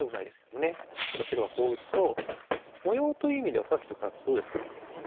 例えば白がこう打つと模様という意味ではさっきと比べてどうですか安田さん。